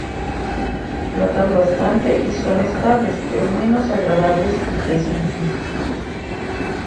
Flotan bastante y son estables pero son menos agradables y pesan más.